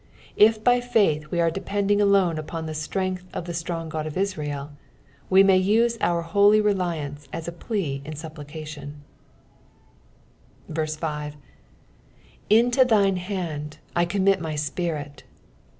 If by faith we arc depending alone upon the Strength of the strong God of Israel, wo may use our lioly reliance as a plea 6. " Into thine hand I commit my tpirit."